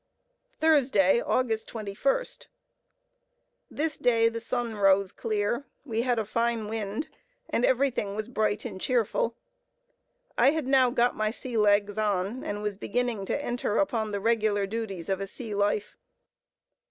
Thursday, Aug. 21st. This day the sun rose clear, we had a fine wind, and everything was bright and cheerful. I had now got my sea legs on, and was beginning to enter upon the regular duties of a sea life.